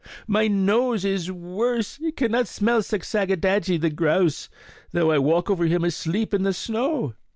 My nose is worse; it cannot smell Seksagadagee the grouse, though I walk over him asleep in the snow.